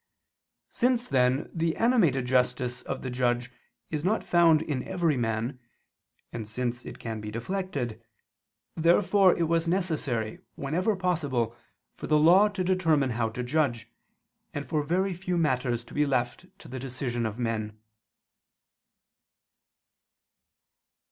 Since then the animated justice of the judge is not found in every man, and since it can be deflected, therefore it was necessary, whenever possible, for the law to determine how to judge, and for very few matters to be left to the decision of men.